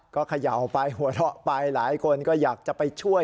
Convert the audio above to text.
ก็เขย่าไปหัวเราะไปหลายคนก็อยากจะไปช่วย